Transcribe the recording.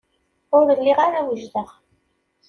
Ur lliɣ ara wejdeɣ.